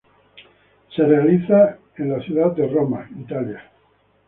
Se realiza en la ciudad de Roma, Italia.